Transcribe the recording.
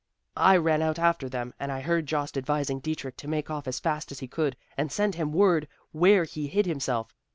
I ran out after them, and I heard Jost advising Dietrich to make off as fast as he could, and send him word where he hid himself.